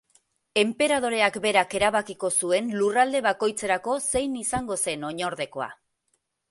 Enperadoreak berak erabakiko zuen lurralde bakoitzerako zein izango zen oinordekoa.